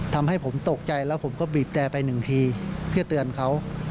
ทำให้ผมตกใจแล้วผมก็บีบแต่ไปหนึ่งทีเพื่อเตือนเขา